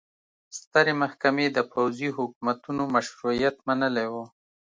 سترې محکمې د پوځي حکومتونو مشروعیت منلی و.